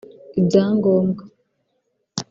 ibyangombwa